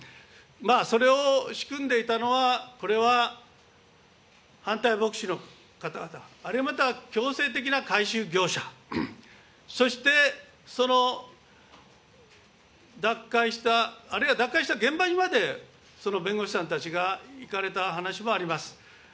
それを仕組んでいたのは、これは反対牧師の方々、あるいはまた強制的なかいしゅう業者、そしてその脱会した、あるいは脱会した現場にまで、その弁護士さんたちが行かれた話もあります。